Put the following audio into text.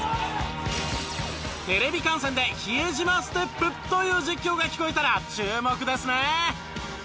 テレビ観戦で「比江島ステップ」という実況が聞こえたら注目ですね！